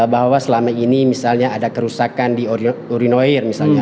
bahwa selama ini misalnya ada kerusakan di urinoir misalnya